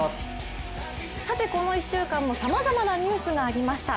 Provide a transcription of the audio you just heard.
この１週間もさまざまなニュースがありました。